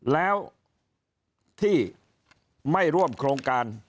แล้วที่ไม่ร่วมโครงการ